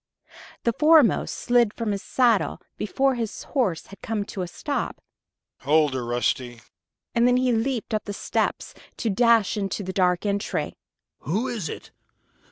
The foremost slid from his saddle before his horse had come to a stop. "Hold her, Rusty!" And then he leaped up the steps, to dash into the dark entry. "Who is it?